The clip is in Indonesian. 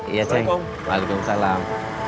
iya ceng waalaikumsalam